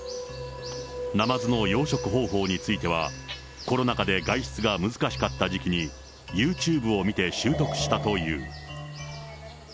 ナマズの養殖方法については、コロナ禍で外出が難しかった時期に、ユーチューブを見て習得したという。